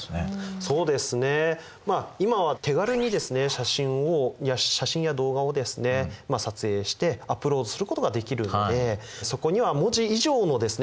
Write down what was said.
まあ今は手軽にですね写真をいや写真や動画をですね撮影してアップロードすることができるのでそこには文字以上のですね